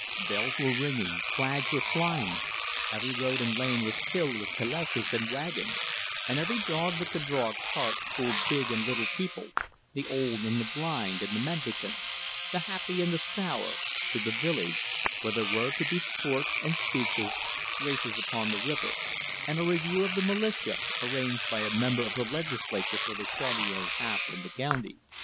Bells were ringing, flags were flying, every road and lane was filled with caleches and wagons, and every dog that could draw a cart pulled big and little people, the old and the blind and the mendicant, the happy and the sour, to the village, where there were to be sports and speeches, races upon the river, and a review of the militia, arranged by the member of the Legislature for the Chaudiere half of the county.